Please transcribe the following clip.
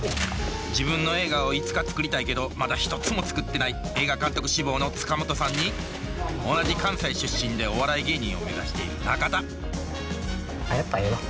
自分の映画をいつか作りたいけどまだ一つも作ってない映画監督志望の塚本さんに同じ関西出身でお笑い芸人を目指している中田あっやっぱええわ。